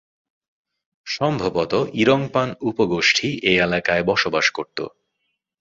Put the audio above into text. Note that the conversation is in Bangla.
সম্ভবত ইরংপান উপ-গোষ্ঠী এই এলাকায় বসবাস করত।